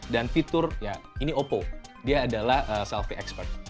dan fitur ya ini oppo dia adalah selfie expert